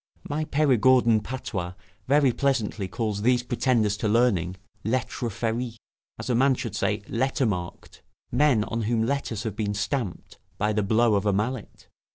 My Perigordin patois very pleasantly calls these pretenders to learning, 'lettre ferits', as a man should say, letter marked men on whom letters have been stamped by the blow of a mallet.